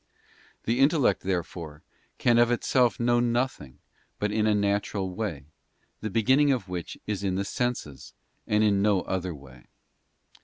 The intellect, therefore, can of itself know nothing but in a natural way, the beginning of which is in the senses, and in no other way.